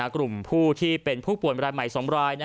กลุ่มผู้ที่เป็นผู้ป่วยรายใหม่๒ราย